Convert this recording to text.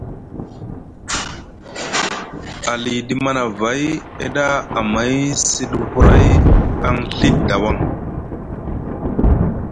Aliɗi Manavay eɗa amay sɗi huray aŋ Ɵi dawaŋ.